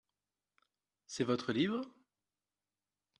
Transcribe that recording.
C’est votre livre ?